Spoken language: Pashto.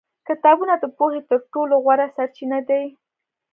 کتابونه د پوهې تر ټولو غوره سرچینه دي.